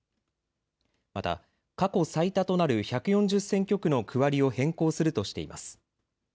また過去最多となる１４０選挙区の区割りを変更するとしています。